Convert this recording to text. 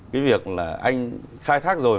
cái việc là anh khai thác rồi